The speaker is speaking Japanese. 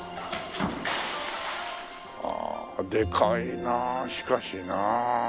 ああでかいなあしかしなあ。